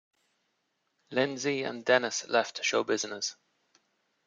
Lindsay and Dennis left show business.